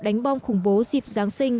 đánh bom khủng bố dịp giáng sinh